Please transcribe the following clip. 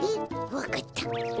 わかった。